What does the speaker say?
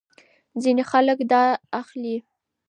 ځینې خلک دا اخلي.